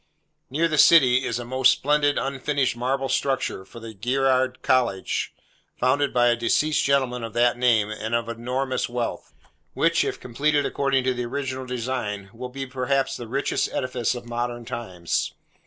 Near the city, is a most splendid unfinished marble structure for the Girard College, founded by a deceased gentleman of that name and of enormous wealth, which, if completed according to the original design, will be perhaps the richest edifice of modern times.